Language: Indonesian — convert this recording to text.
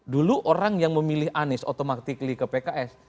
dulu orang yang memilih anies otomatik ke pks